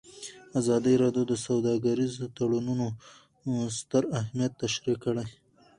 ازادي راډیو د سوداګریز تړونونه ستر اهميت تشریح کړی.